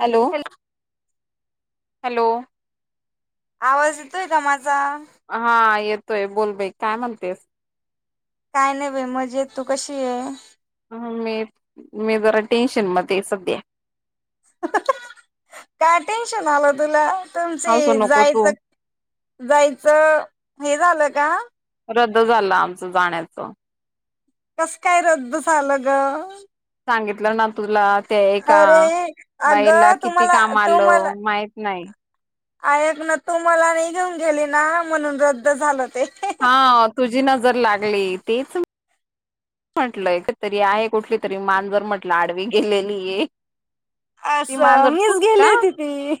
Hello hello आवाज येतोय का म हा येतोय बोल बाई काय म्हणतेस काय नाही ब मज येत तू कशी ये ह मी मी जरा टेन्शन मध्ये सध्या काय टेन्शन आलं तुला हसू तुमची नको जायचं तू जायचं हे झालं का रद्द झाला आमचं जाण्याच कस काय रद्द झालं ग सांगितलं ना तुला ते एका अरे बाईला अगं किती तुम्हाला काम तुम्हाला आलं माहित नाही ऐक ना तू मला नाही घेऊन गेली ना म्हणून रद्द झालं ते हा तुझी नजर लागली तीच म्हंटलं एक तरी आहे कुठली तरी मांजर म्हटलं आडवी गेलेली आहे ती असं मांजर मीच तूच का गेली होती ती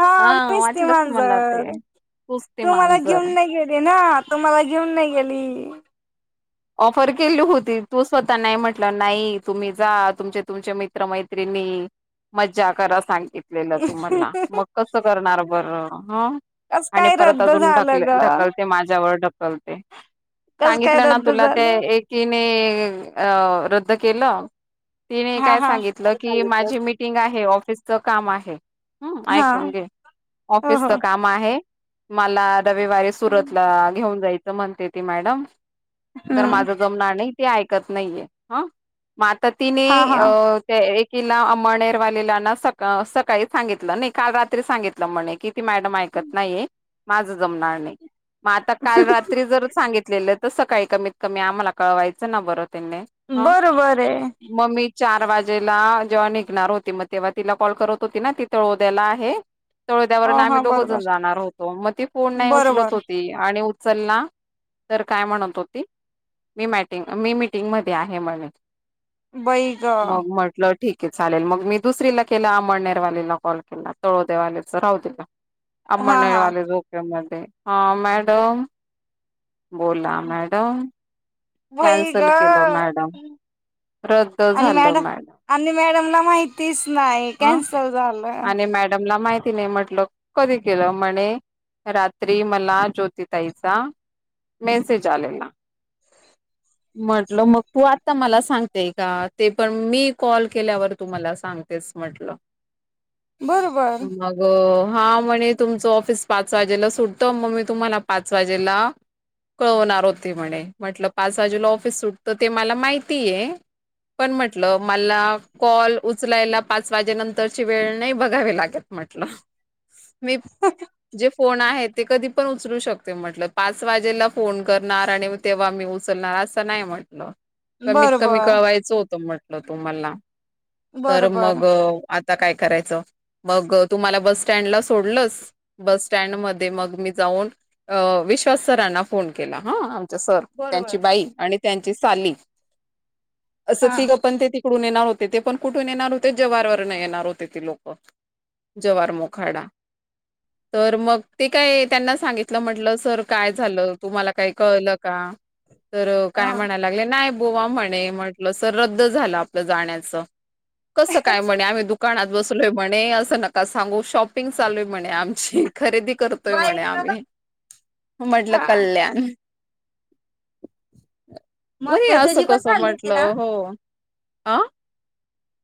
हा मिस्ते वाटलंच मला मांजर ते तूच ते तू मला मांजर घेऊन नाही गेली ना तु मला घेऊन नाही गेली ऑफर केली होती तू स्वतः नाही म्हटलं नाही तुम्ही जा तुमचे तुमचे मित्रमैत्रिणी मज्जा करा सांगितलेलं तुम्हाला मग कसं करणार बर हो कस आणि काय परत रद्द अजून ढकल झालं ग ढकलते माझ्यावर ढकलते कस काय सांगितलं ना रद्द तुला त्या झालं एकीने अ रद्द केलं तिने हा काय हा सांगितलं काय की सांगितलं माझी मीटिंग आहे ऑफिसच काम आहे. हम्म हा ऐकून घे हो हो ऑफिसच काम आहे मला रविवारी सुरतला घेऊन जायचं म्हणते ती मॅडम तर हम्म माझं जमनार नाही ते ऐकत नाहीये ह म आता तीने हा हा त्या एक तिला मनेरवालेलाना सका सकाळी सांगितलं नाही काल रात्री सांगितलं म्हणे कि ती मॅडम ऐक शकत नाही माझ जमणार नाही. मग आता काल रात्री जर सांगितलेलं तर सकाळी कमीत कमी आम्हाला कळवायचं ना परत बरोबर आहे. मी चार वाजेला जेव्हा निघणार होती मग तेव्हा तिला कॉल करत होती ना ति तळोद्याला आहे हा तळोदयावरून हा आम्ही दोघं जण बरोबर जाणार होतो मग ती फोन नाही उचलत बरोबर होती आणि चल्ला तर काय म्हणत होत मी मॅंटीम मी मीटिंग मध्ये आहे म्हने बै ग ठीक आहे चालेल मग मी दुसरीला केला अमळनेरवालेला कॉल केला तळोदवालेच राहू दे म्हटल हा हा अंमळनेरवाले झोपे मधे, ह मॅडम बोला मॅडम वई ग कॅन्सल केलं मॅडम रद्द आणि झालं मॅड मॅडम आणि मॅडम ला माहितीच नाही कॅन्सल झालं तिने म्हटलं कधी केलं म्हणे रात्री मला ज्योतिताईचा मेसेज आलेला. [unintelligible] म्हटलं मग तू आत्ता मला सांगतेय का ते पण मी कॉल केल्यावर तू मला सांग तेच म्हटलं बरोबर मग हा म्हणे तुमचं ऑफिस पाच वाजेला सुटतं मग मी तुम्हाला पाच वाजेला कळवणार होते म्हणे म्हटलं पाच वाजेला ऑफिस सुटत ते मला माहितीय पण म्हटलं मला कॉल उचलायला पाच वाजे नंतरची वेळ नाही बघावी लागत म्हटलं मीे फोन आहे ते कधी पण उचलू शकते म्हटलं पाच वाजेला फोन करणार आणि तेव्हा मी उचलणार. असं नाही म्हटलं, कमीत कमी बरोबर कळवायचं होतं म्हटलं तु मला. बर बर, हो आता काय करायचं. मग तुम्हाला बस स्टँडला सोडलंच, बस स्टँड मध्ये मग मी जाऊनअ माझ्या विश्वास सरांना फोन केला. हं सर बरोबर त्यांची बाई आणि त्यांची साली अस हा तिघ पण त कून येणार होते, ते पण कठून येणार होते. ते जवारवर न येणार होते ती लोक जवार मोखाडा तर मग ते काय त्यांना सांगितलं म्हटलं सर काय झालं तु मला काही कळलं का? तर हा काय म्हणायला लागले नाही. म्हणे म्हटल रद्द झालं आपलं जाण्याच कस काय म्हणे आम दु कानाात बसलोय म्हणे असं नका सांगू शॉपिंग चालूय म्हणे आम खरेदी करतोय बाई म्हणे ग आम्ही म्हटलं हा कल्याण वही मग असं त्याची पण कसं झाली होती ना म्हटलं हो. अ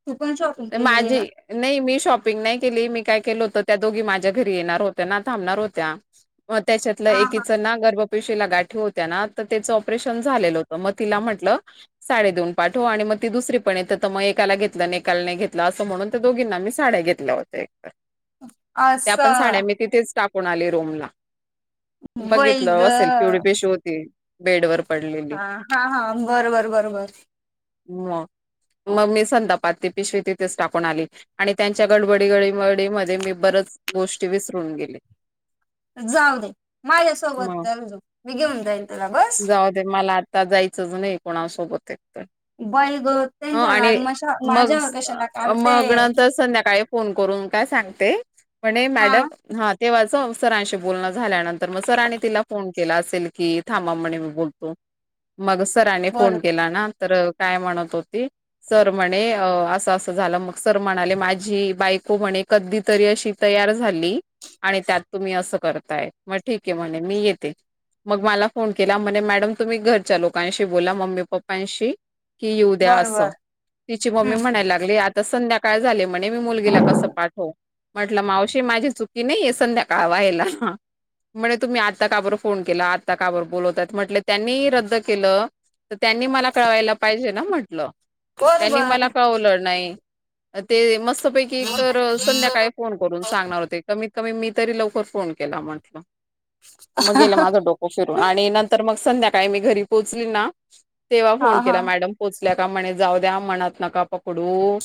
तू पण शॉपिंग केलेली ना माझी नाही मी, शॉपिंग नाही केली, मी काय केल होत त्या दोघी माझ्या घरी येणार होत्या ना, थांबणार होत्या, मग त्याच्यातलं हा हा एकीच ना गर्भ पिशवी ला गाठी ना त्यांच ऑपरेशन झालेल होत, तिला म्हटल साडी धुवून पाठव. मग ती दुसरी पण येत तर मग एकाला घेतलं एकाला नाही घेतलं असं म्हणून त्या दोघींना मी साड्या घेतल्या होत्या. त्या पण असं साड्या मी तिथेच टाकून आली रोम ला वई ग बघितलं असेल पिवळी पेशवी होती बेडवर. पडलेली हा हा हा बरोबर, बरोबर. म मग मी संताप- पालती पिशवी तिथेच टाकून आली आणि त्यांच्या गडबडी गडमडी मध्ये मी बरच गोष्टी विसरून- गेले. जाऊ दे माझ्या सोबत मग चल मी घेऊन जा येईल तुला बस. जाऊ दे मला आता जायचंच नाही कोणासोबतच. बाई ग त्यांच्या रागमाशा वर. मग मग नंतर संध्याकाळी फोन करून काय सांगते. म्हणे हा मॅडम हा. तेव्हाच सरांशी बोलणं झाल्यानंतर मग सरांनी तिला फोन केला असेल की, थांबा म्हणे मी बोलतो. [unintelligible] मग सराने बर फोन केला ना तर काय म्हणत होती सर म्हणे असं असं झालं मग सर म्हणाले माझी बायको म्हणे, कधी तरी अशी तयार झाली. आणि त्यात तुम्ही असं करताय मग ठीक आहे म्हणे मी येते? मग मला फोन केला म्हणे मॅडम तुम्ही घरच्या लोकांशी बोला मम्मी पप्पांशी. कि येऊ द्या बर असं बर तिची मम्मी हम्म म्हणायला लागली आता संध्या काय झाले म्हणे मी मुलगीला कसं पाठवु. म्हटलं मावशी माझी चुकी नाही आहे संध्याकाळ व्हायला? म्हणे तुम्ही आत्ता का बर फोन केला आता का बर बोलवतय म्हटले त्यांनी रद्द केल? तर त्यांनी मला कळवायला पाहिजे ना म्हटलं? त्यांनी बरोबर मला का कळवलं नाही? ते म पैकी तर संध्याकाळी फोन करून सांगणार होते, कमीत कमी मी तरी लवकर फोन केला म्हटल, मग गेल माझ डोकं फिरून आणि नंतर मग? संध्याकाळी मी घरी पोहोचली ना! तेव्हा हा फोन हा केला मॅडम पोचल्या का म्हणे. जाऊ द्या म्हणत नका पकडू.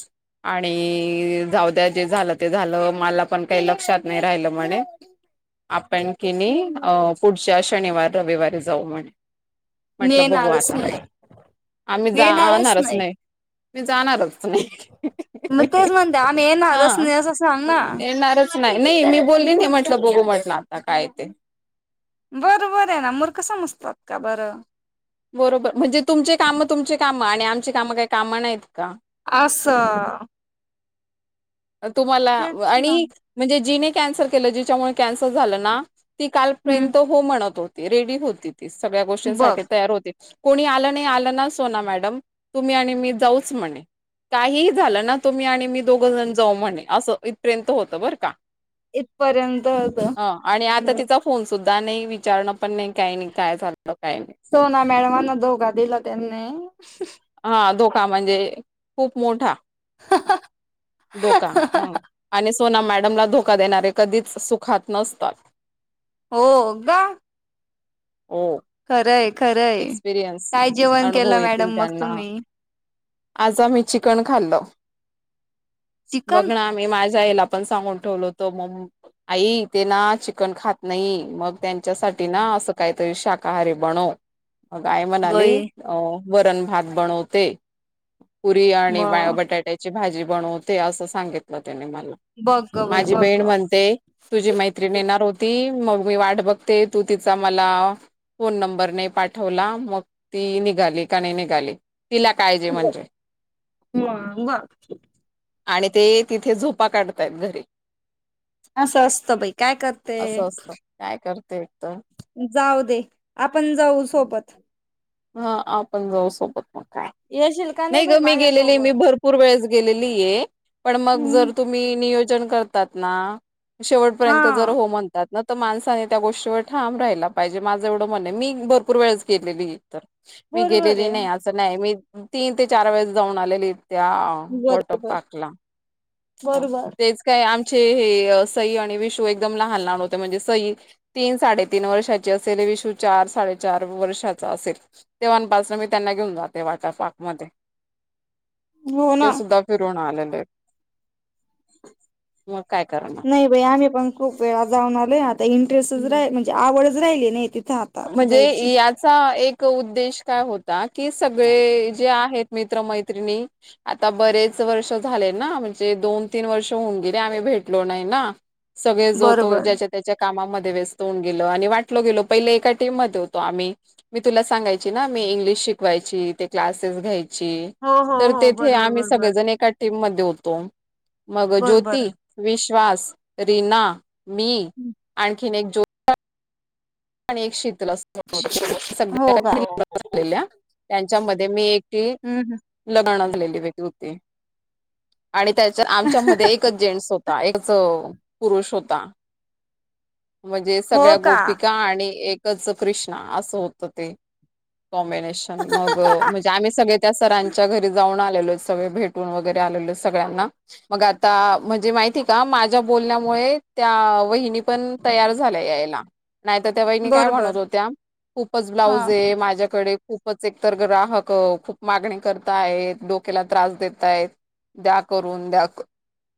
आणि जाऊद्या जे झालं ते झालं मला पण काही लक्षात नाही राहिलं म्हणे? आपण कि नाही पुढच्या शनिवार रविवारी जाऊ म्हणे, मी म्हटलं बघू येणारच आता नाही आम्ही मी येणारच जाणार. नाही मी जाणारच नाही. मग तेच म्हणते आम्ही हा येणारच नाही असं सांग ना येणारच नाही नाही मी बोलली नाही म्हटलं बोलू म्हटल. आता काय य ते? बरोबर आहे ना मूर्ख समजतात का बरं? बरोबर म्हणजे तुमचे काम तुमचे काम आणि आमची काम काही कामं नाहीत का? अस तुम्हाला ना आणि म्हणजे जीने कॅन्सल केलं जिच्यामुळे कॅन्सल झालं ना? ती हम्म कालपर्यंत हो म्हणत होती रेडी होती ती सगळ्या बघ गोष्टींसाठी तयार होती. कोणी आलं नाही आलं ना सोना मॅडम तुम्ही आणि मी जाऊच म्हणे? काहीही झालं ना तुम्ही आणि मी दोघ जण जाऊ म्हणे असं इथपर्यंत होतं बरं का? इथपर्यंत होत. ह आणि आता तिचा फोन सुद्धा नाही विचारण पण नाही काही काय झालं? काही नाही सोना मॅडमांना धोका दिला त्यांनी हा धोका म्हणजे खूप मोठा धोका ह आणि सोना मॅडमला धोका देणारे कधीच सुखात नसतात. हो का? हो. खरंय खरय एक्सपिरियन्स काय जेवण अनुभव केलं येतील मॅडम मग त्यांना तुम्ही आज आ म्ी चिकन खाल्ल. चिकन बघण मी माझ्या याला पण सांगून ठेवलो होतो म आई ते ना चिकन खात नाही, मग त्यांच्यासाठी ना असं काहीतरी शाकाहारी बनव. अग आय म्हणाली बई अ वरण भात बनवते. पुरी आणि मग बटाट्याची भाजी बनवते असं सांगितलं. मला बघ ग बाई माझी बघ बहीण ग म्हणते तुझी मैत्री येणार होती. मग मी वाट बघते तू तिचा मला फोन नंबर नाही. पाठवला मग ती निघाली का नाही निघाली तिला कायजे म्हणजे ह बर आणि ते तिथे झोपा काढतय घरी असं असतं बाई काय करते. असं असतं काय करते एक तर जाऊ दे आपण जाऊ सोबत हा आपण जाऊ सोबत म काय येशील का नाही ग बाई मी गेलेली मी माझ्यासोबत भरपूर वेळेस हम्म णर तुम्ही नियोजन करणार ना शेवट पर जर हा हो म्हणतात. न तर माणसाने त्या गोष्टीवर ठाम राहायला पाहिजे माझं एवढं म्हण मी भरपूर वेळच केलेली. तर मी बरोबर गेलेली आहे नाही असं नाही मी तीन ते चार वेळेस जाऊन आलेली. त्या वॉटर बरोबर पार्क ला बरोबर तेच काही आम हे सई आणि विश एकदम लहान लहान हो म्हणे स तीन सा तन वर्षा अस वि चार चार वर् [inaudible] असेल तेव्हापासून मी त्यांना घेऊन जाते वा पाक म हो ना ते सुद्धा फिरवून आलेले आहेत. मग काय करणार नाही बाई आम्ही पण खूप वेळा जाऊन आलेय आता इंटरेस्टच रा म्हणजे आवडच राहिली नाही तिथ म्हणजे याचा एक उद्देश काय होता की सगळे जे आहेत. मित्र मैत्रिणी आता बरेच वर्ष झाले ना म्हणजे दोन तीन वर्ष होऊन गेले आम्ही, भेटलो नाही ना, सगळे जोतो बरोबर. ज्याच्या त्याच्या कामामध्ये व्यस्त होऊन गेल आणि वाटल गेलो पहिले. होतो मी तुला सांगाय ना मी इंग्लिश शिकवायची ते क्लासेस घ्याय हो हो तर हो तेथे बरोबर आम्ही बरोबर. सगळे जण एका टीम मधे ठेवतो, मग बरोबर ज्योती, विश्वास, रीना मी आणखीन एक जो आणि एक शीतल अस [unintelligible] सगळ्या हो का ट्रीपला आलेल्या त्या त्याच्यामध्ये मी एकटी हम्म लग्न झालेली [unintelligible] होती. आणि त्याच्या आमच्या मध्ये एकच जेंट्स होत एकच पुरुष होता, म्हणजे हो सगळ्या का. गोप आणि एकच कृष्णा असं होतं ते. कॉम्बिनेशन, मग म्हणजे आम्ही सगळे त्या सरांच्या घरी जाऊन आलेलोत सगळे भेटून वगैरे आलेलोय सगळ्यांना, मग आता म्हणजे माहित आहे का माझ्या बोलण्यामुळे त्या वहिनी पण तयार झाल्या यायला. नाहीत त्या वहिनी काय बरोबर म्हणत होत्या, खूपच हा ब्लाऊज आहे माझ्याकडे खूपच एकतर ग्राहक खूप मागणी करता आहेत, डोक्याला त्रास देत आहेत. द्या करून द्या क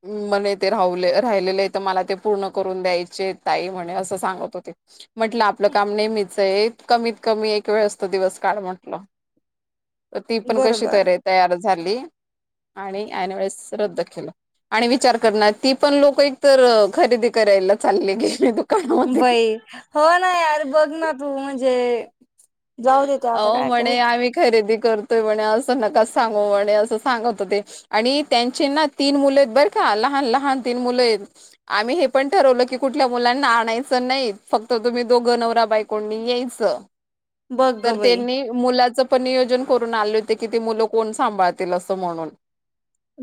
म्हणे ते राहवले राहिलेले तर मला ते पूर्ण करून द्यायचे ताई म्हणे असं सांगत होते. म्हटलं आपलं काम नेहमीच आहे कमीत कमी एक वेळ असतो दिवस काढ म्हटलं. तर ती पण कशी बरोबर तर तयार झाली आणि एनवेेळेस रद्द केलं. आणि विचार कर ना, ती पण लोकंं एकतर खरेदी करायला चालली गेली दु बाई, हो ना यार बघ ना तू म्हणजे जाऊ देते आता आओ काय म्हणे करत आम्ही खरेदी करतोय म्हणे असं नका सांगू म्हणे असं सांगत होते, आणि त्यांचे ना तीन मुलेत बरं का, लहान लहान तीन मुलं आहेत, आम्ही हे पण ठरवलं की कुठल्या मुलांना आणायचं नाही फक् तुम्ही दोघं नवरा बायकोंनी यायचं, बघ तर ग बाई त्यांनी मुलाचं पण नियोजन करून आले होते की ते मुलं कोण सांभाळतील असं म्हणून,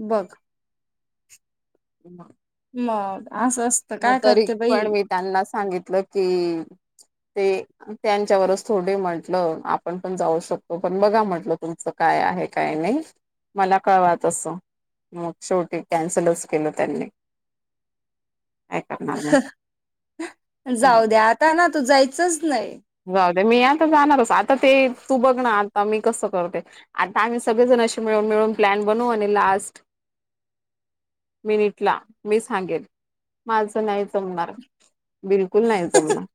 बग. [unintelligible] मग असं असतं मग काय तरी करते पण बाई मी त्यांना सांगितलं की, ते, त्यांच्यावरच थोडे म्हटलं आपण पण जाऊ शकतो पण बघा म्हटल तुमचं काय? काय आहे काय नाही मला कळवा तसं. मग शेवटी कॅन्सलच केलं त्यांनी. [inaudible] काय करणार मग. जाऊ हम्म द्या आता ना तू जायचंच नाही. नाय मी आता जाणारच, आता ते तू बघ ना आता मी कसं करते, आता आम्ही सगळेजण अशे मिळून ळून प्लान बनवू आणि लास्ट [inaudible] मिनिट ला, मी सांगेल माझं नाही जमणार. बिलकुल नाही जमणार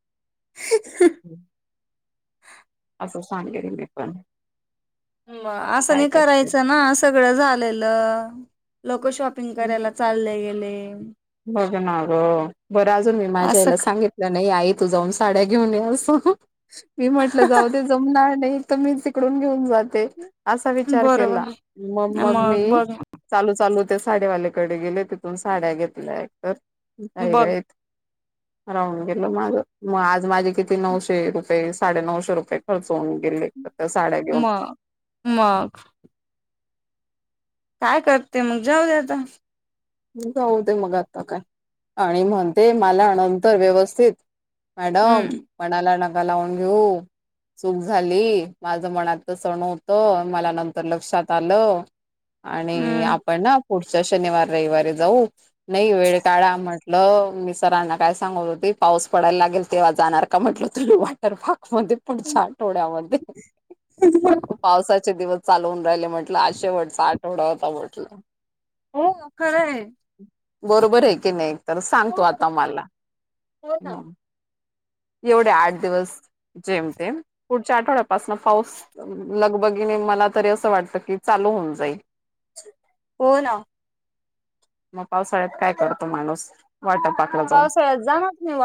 असं सांगणारे मी पण. असं काय नाही करते. करायचं ना सगळं झालेलं लो कं शॉपिंग करायला चालले गेले. बघ ना ग, बरं अजून मी माझ्या असं आईला सांगितलं नाही आई तू जाऊन साड्या घेऊन ये असं, मी म्हंटलं जाऊ दे जमणार नाही. तर मी तिकडून घेऊन जाते. असा विचार बरोबर केला, मग मग मी चालू चालू ते साडीवाल्याकडे गेले तिथून साड्या घेतल्या एकतर, घाई बघ घाईत. [inaudible] राहून गेलं माझं, मग आज माझे किती नऊशे रुपये साडे नऊशे रुपये खर्च होऊन गेले. त्या साड्या घेऊन मग, मग काय करते मग जाऊ दे आता. जाऊ दे मग आता काय? आणि म्हणते मला नंतर व्यवस्थित मॅडम हम्म मनाला नका लावून घेऊ, चूक झाली, माझ मनात तस नव्हतं, होत मला नंतर लक्षात आलं. आणि हम्म आपण ना पुढच्या शनिवार रविवारी जाऊ नाही वेळ काढा म्हटलं मी सरांना काय सांगत होती पाऊस पडायला लाग तेव्हा जाणार का म्हटल तुमी वॉटर पार्क मन ते पुढच्या आठवड्यामध्ये पावसाचे दिवस चालून हुन राहिले म्हटलं हा शेवटचा आठवडा होता म्हटलं. हो काय खरं हे. बरोबर हे की नाही तर सांगतू आता माला. हो ना एवढे आठ दिवस जेमतेम पुढच्या आठवड्यापासन पाऊस लगबगीणे मला त अस वाटत की चालू होन जाईल. हो ना. म पावसाळ्यात काय करतो माणूस वॉटर पार्कला जाऊन पावसाळ्यात जाणात नी वाट